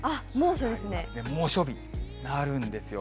猛暑日になるんですよ。